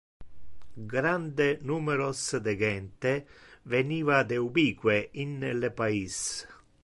Grande numeros de gente veniva de ubique in le pais.